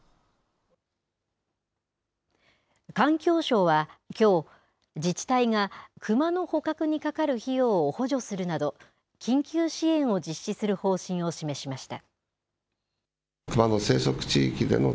環境省はきょう、自治体が、クマの捕獲にかかる費用を補助するなど、緊急支援を実施する方針を示しました。